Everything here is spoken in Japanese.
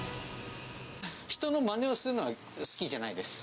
人のまねをするのは好きじゃないです。